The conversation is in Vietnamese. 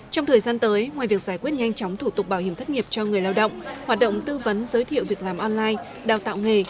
trong thời gian tới ngoài việc giải quyết nhanh chóng thủ tục bảo hiểm thất nghiệp cho người lao động hoạt động tư vấn giới thiệu việc làm online đào tạo nghề